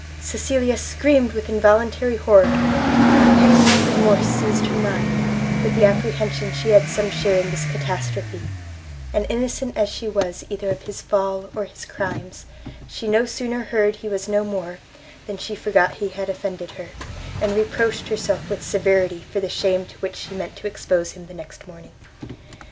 Cecilia screamed with involuntary horror; a pang like remorse seized her mind, with the apprehension she had some share in this catastrophe, and innocent as she was either of his fall or his crimes, she no sooner heard he was no more, than she forgot he had offended her, and reproached herself with severity for the shame to which she meant to expose him the next morning.